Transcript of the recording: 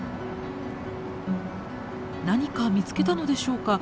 何か見つけたのでしょうか。